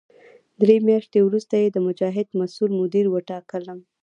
درې میاشتې وروسته یې د مجاهد مسوول مدیر وټاکلم.